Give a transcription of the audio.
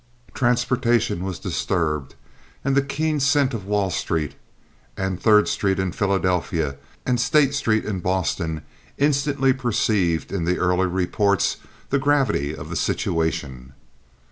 Transportation was disturbed, and the keen scent of Wall Street, and Third Street in Philadelphia, and State Street in Boston, instantly perceived in the early reports the gravity of the situation.